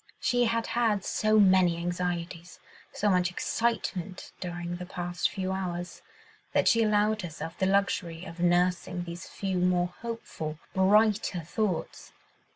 She had had so many anxieties, so much excitement during the past few hours, that she allowed herself the luxury of nursing these few more hopeful, brighter thoughts.